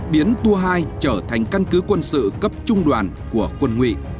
biến tour hai trở thành căn cứ quân sự cấp trung đoàn của quân nguyện